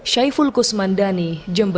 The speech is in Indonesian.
syaiful kusmandani jember